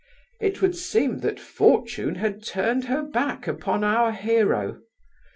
It would seem that Fortune had turned her back upon our hero.